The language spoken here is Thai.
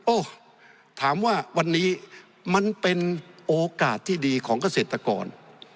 ถามว่าวันนี้มันเป็นโอกาสที่ดีของเกษตรกร